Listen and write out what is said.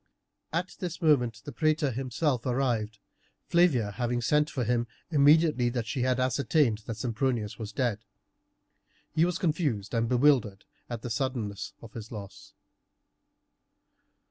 At this moment the praetor himself arrived, Flavia having sent for him immediately she had ascertained that Sempronius was dead. He was confused and bewildered at the suddenness of his loss.